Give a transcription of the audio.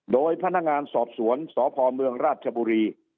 โดยพนักงานสอบสวนสพเมืองราชบุรี